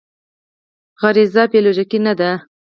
غریزه بیولوژیکي نه دی.